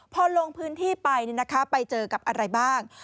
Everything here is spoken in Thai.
พอลงพื้นที่ไปไปเจอกับอะไรบ้าง